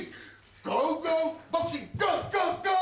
ゴーゴーボクシングゴーゴーゴー！